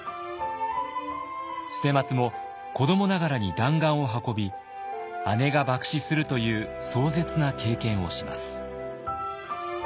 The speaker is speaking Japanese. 捨松も子どもながらに弾丸を運び姉が爆死するという壮絶な経験をします。